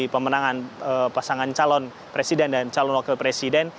pemenangan pasangan calon presiden dan calon wakil presiden